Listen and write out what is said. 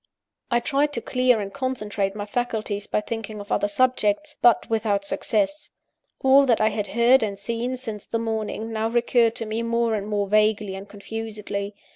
I tried to clear and concentrate my faculties by thinking of other subjects; but without success. All that I had heard and seen since the morning, now recurred to me more and more vaguely and confusedly.